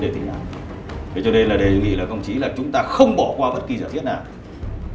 thế cho nên là đề nghị là không chỉ là chúng ta không bỏ qua bất kỳ giả thiết nào